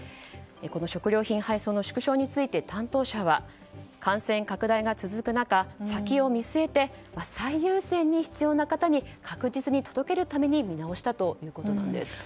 食料品配送の縮小について担当者は感染拡大が続く中、先を見据えて最優先に必要な方に確実に届けるために見直したということです。